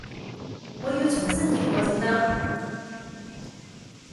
我要重新來過正得